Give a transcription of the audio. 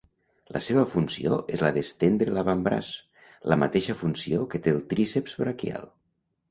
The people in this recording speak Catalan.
La seva funció és la d'estendre l'avantbraç, la mateixa funció que té el tríceps braquial.